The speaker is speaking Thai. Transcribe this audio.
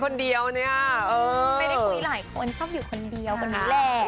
คุยไหมล่ะ